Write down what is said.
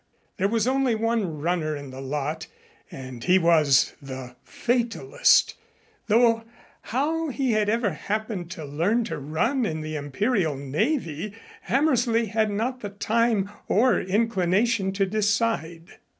There was only one runner in the lot and he was the Fatalist, though how he had ever happened to learn to run in the Imperial Navy, Hammersley had not the time or inclination to decide.